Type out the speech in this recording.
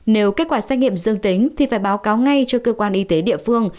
nếu kết quả xét nghiệm dương tính thì phải báo cáo ngay cho cơ quan y tế địa phương